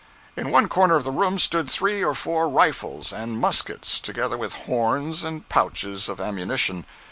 In one corner of the room stood three or four rifles and muskets, together with horns and pouches of ammunition.